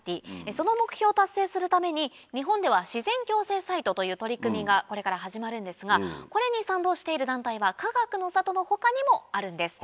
その目標を達成するために日本では。という取り組みがこれから始まるんですがこれに賛同している団体はかがくの里の他にもあるんです。